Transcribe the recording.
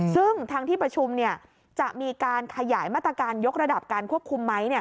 ซึ่งทางที่ประชุมจะมีการขยายมาตรการยกระดับการควบคุมไหม